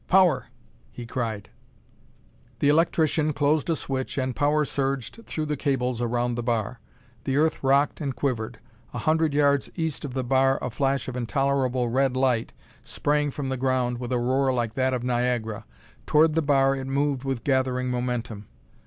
"Power!" he cried. The electrician closed a switch and power surged through the cables around the bar. The earth rocked and quivered. A hundred yards east of the bar a flash of intolerable red light sprang from the ground with a roar like that of Niagara. Toward the bar it moved with gathering momentum.